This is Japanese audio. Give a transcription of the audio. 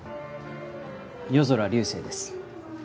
夜空流星です。